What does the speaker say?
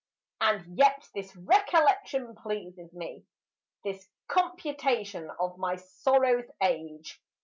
And yet this recollection pleases me, This computation of my sorrow's age.